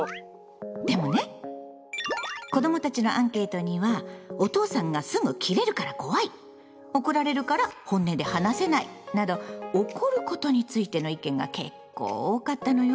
でもね子どもたちのアンケートには「お父さんがすぐキレるから怖い」「怒られるから本音で話せない」など「怒ること」についての意見が結構多かったのよ。